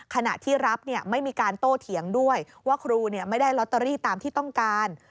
ขณะที่รับไม่มีการโต้เถียงด้วยว่าครูไม่ได้ลอตเตอรี่ตามที่ต้องการ